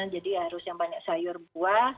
jadi harus yang banyak sayur buah